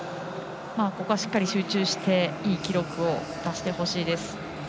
ここはしっかり集中していい記録を出してほしいです。